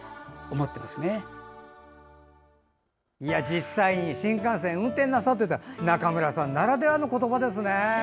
実際に新幹線を運転なさってた中村さんならではの言葉ですね。